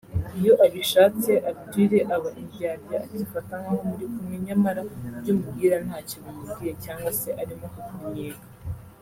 Iyo abishatse Arthur aba indyarya akifata nkaho muri kumwe nyamara ibyo umubwira ntacyo bimubwiye cyangwa se arimo kukunnyega